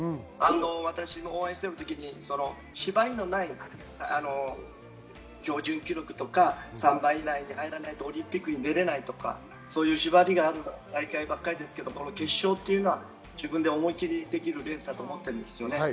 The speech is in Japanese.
私、応援している時に、縛りのない標準記録とか３番以内に入らないとオリンピックに出られないとか、そういう縛りがある大会ばかりですけれど、決勝は自分で思い切りできるレースだと思います。